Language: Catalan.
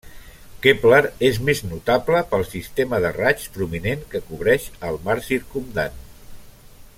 Kepler és més notable pel sistema de raigs prominent que cobreix el mar circumdant.